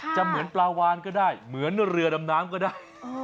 เหมือนปลาวานก็ได้เหมือนเรือดำน้ำก็ได้